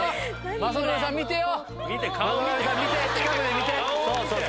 雅紀さん見てよ！